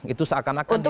itu seakan akan dia ingin